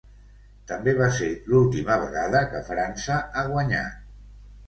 També va ser l'última vegada que França ha guanyat.